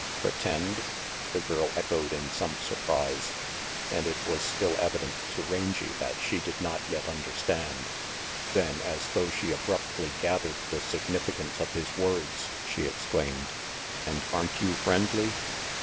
"Pretend?" the girl echoed in some surprise, and it was still evident to Rangy that she did not yet understand; then, as though she abruptly gathered the significance of his words, she exclaimed, "And aren't you friendly?"